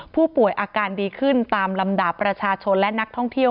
ผู้ป่วยอาการดีขึ้นตามลำดับประชาชนและนักท่องเที่ยว